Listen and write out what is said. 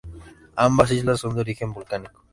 Ambas islas son de origen volcánico.